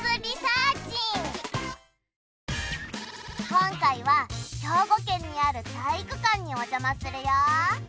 今回は兵庫県にある体育館にお邪魔するよ